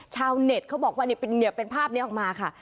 ชาวเน็ตเขาบอกว่าเป็นภาพนี้ออกมาค่ะ